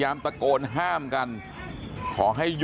สวัสดีครับคุณผู้ชาย